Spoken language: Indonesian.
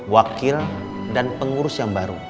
wakil dan pengurus yang baru